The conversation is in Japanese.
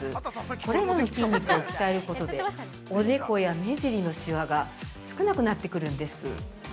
これらの筋肉を鍛えることでおでこや目尻のしわが少なくなってくるんです。